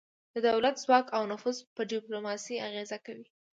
د دولت ځواک او نفوذ په ډیپلوماسي اغیزه کوي